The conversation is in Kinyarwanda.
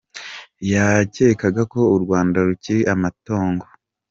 Yakekaga ko u Rwanda rukiri amatongo.